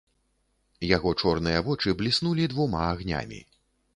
Яго чорныя вочы бліснулі двума агнямі.